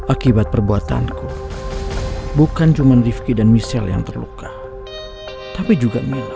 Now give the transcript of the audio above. akibat perbuatanku bukan cuman rifki dan michelle yang terluka tapi juga mila